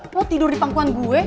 kau tidur di pangkuan gue